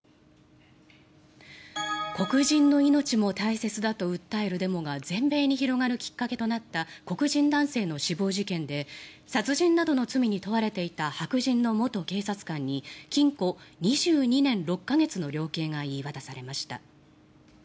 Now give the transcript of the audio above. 黒人の命も大切だと訴えるデモが全米に広がるきっかけとなった黒人男性の死亡事件で殺人などの罪に問われていた白人の元警察官に禁錮２２年６か月の量刑が言い渡されました。